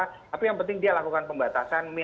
tapi yang penting dia lakukan pembatasan